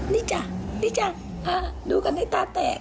นี่จ้ะนี่จ้ะดูกันให้ตาแตก